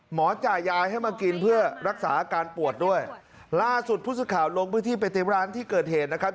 จ่ายยายให้มากินเพื่อรักษาอาการปวดด้วยล่าสุดผู้สื่อข่าวลงพื้นที่ไปที่ร้านที่เกิดเหตุนะครับ